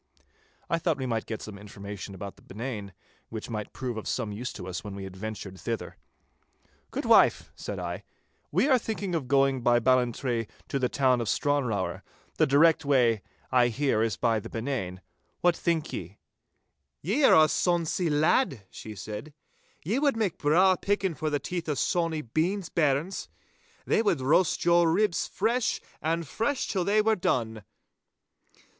I thought we might get some information about the Benane, which might prove of some use to us when we adventured thither. 'Good wife,' said I, 'we are thinking of going by Ballantrae to the town of Stranrawer. The direct way, I hear, is by the Benane. What think ye—is the road a good one?' 'Ye are a sonsy lad,' she said, 'ye wad mak' braw pickin' for the teeth o' Sawny Bean's bairns. They wad roast your ribs fresh and fresh till they were done.